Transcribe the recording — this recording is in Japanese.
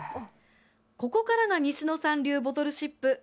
ここからが西野さん流ボトルシップ